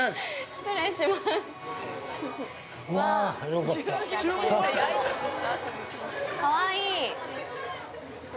◆失礼します。